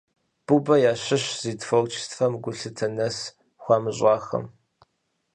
Бубэ ящыщщ зи творчествэм гулъытэ нэс хуамыщӀахэм.